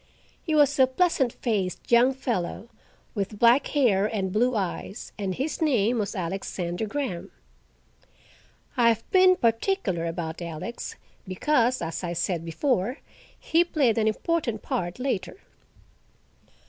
He was a pleasant faced young fellow, with black hair and blue eyes, and his name was Alexander Graham. I have been particular about Alex, because, as I said before, he played an important part later.